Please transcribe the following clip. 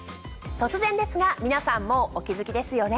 突然ですが皆さんもうお気付きですよね。